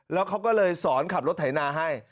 แล้วเขาก็เลยสอนขับรถไถนาให้